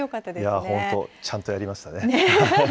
いやー、本当、ちゃんとやりましたね。